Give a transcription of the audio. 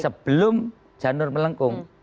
sebelum janur melengkung